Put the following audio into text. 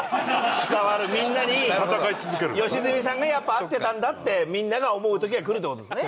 伝わるみんなに良純さんがやっぱ合ってたんだってみんなが思う時が来るって事ですね。